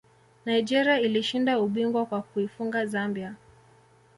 nigeria ilishinda ubingwa kwa kuifunga zambia